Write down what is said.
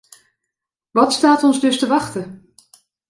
Wat staat ons dus te wachten?